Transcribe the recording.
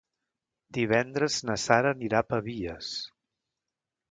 Divendres na Sara anirà a Pavies.